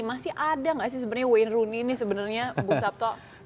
masih ada nggak sih sebenarnya wayne rooney ini sebenarnya bung sabto